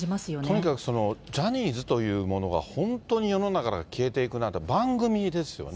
とにかくジャニーズというものが、本当に世の中から消えていくなんて、番組ですよね。